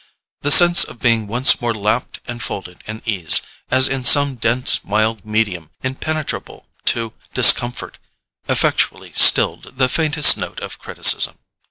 The sense of being once more lapped and folded in ease, as in some dense mild medium impenetrable to discomfort, effectually stilled the faintest note of criticism.